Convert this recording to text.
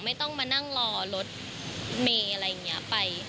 ไม่ต้องมานั่งรอรถเมย์อะไรอย่างนี้ไป